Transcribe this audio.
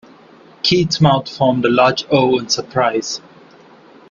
Keith's mouth formed a large O in surprise.